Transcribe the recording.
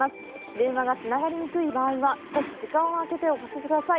電話がつながりにくい場合は少し時間をあけておかけください。